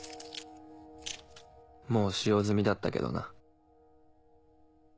もう使用済みだったけどな。